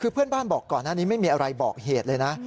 เพื่อนบ้านบอกก่อนไม่มีอะไรบอกเหตุเลยนะ